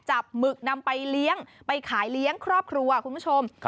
หมึกนำไปเลี้ยงไปขายเลี้ยงครอบครัวคุณผู้ชม